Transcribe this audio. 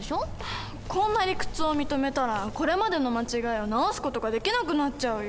こんな理屈を認めたらこれまでの間違いを直す事ができなくなっちゃうよ。